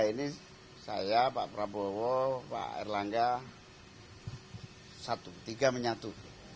ini saya pak prabowo pak erlangga satu tiga menyatu